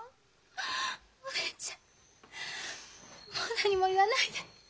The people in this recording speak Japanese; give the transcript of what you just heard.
お姉ちゃんもう何も言わないで。